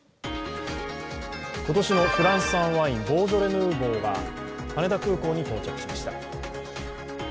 今年のフランス産ワインボージョレ・ヌーボーが羽田空港に到着しました。